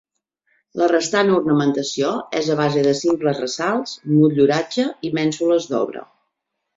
La restant ornamentació és a base de simples ressalts, motlluratge i mènsules d'obra.